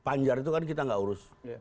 panjar itu kan kita nggak urus